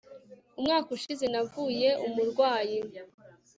umwaka ushize navuye umurwayi